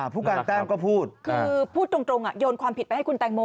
ผู้การแต้มก็พูดคือพูดตรงโยนความผิดไปให้คุณแตงโม